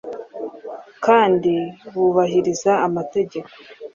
kandi bubahiriza amategeko